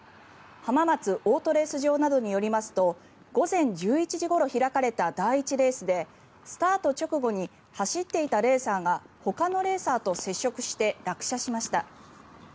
浜松オートレース場などによりますと午前１１時ごろ開かれた第１レースでスタート直後に走っていたレーサーがほかのレーサーと接触して落車しました。